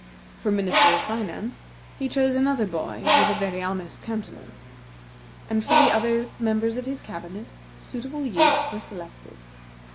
For Minister of Finance, he chose another boy with a very honest countenance, and for the other members of his cabinet, suitable youths were selected.